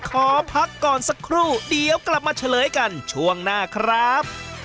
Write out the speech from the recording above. ขอพักก่อนสักครู่เดี๋ยวกลับมาเฉลยกันช่วงหน้าครับ